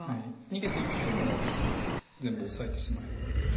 逃げていっても全部オサえてしまえば取れると。